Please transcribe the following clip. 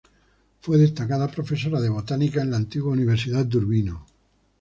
Fue destacada profesora de botánica, en la antigua "Universidad de Urbino".